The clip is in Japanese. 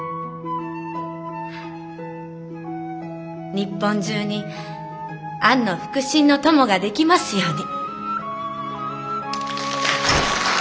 日本中にアンの腹心の友ができますように。